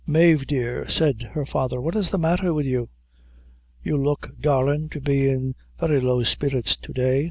"Mave, dear," said her father, "what is the matter wid you? You look, darlin', to be in very low spirits to day.